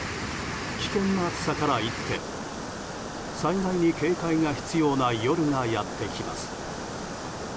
危険な暑さから一転災害に警戒が必要な夜がやってきます。